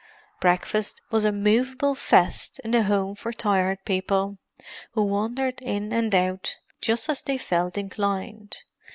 Breakfast was a movable feast in the Home for Tired People, who wandered in and out just as they felt inclined.